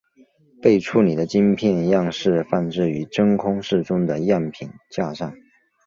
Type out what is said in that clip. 被处理的晶片试样放置于真空室中的样品架上。